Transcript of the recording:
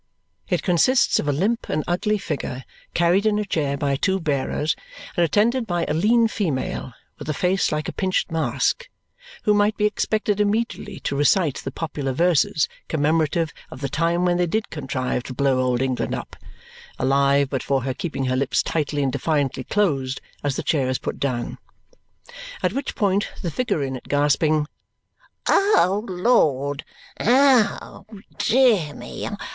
It consists of a limp and ugly figure carried in a chair by two bearers and attended by a lean female with a face like a pinched mask, who might be expected immediately to recite the popular verses commemorative of the time when they did contrive to blow Old England up alive but for her keeping her lips tightly and defiantly closed as the chair is put down. At which point the figure in it gasping, "O Lord! Oh, dear me!